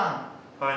はい。